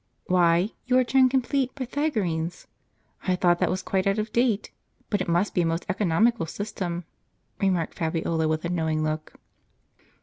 " Why, you are turned complete Pythagoreans. I thought that was quite out of date. But it must be a most economical system," remarked Fabiola, with a knowing look.